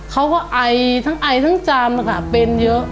เขาก็ไอทั้งไอทั้งจามเป็นเยอะ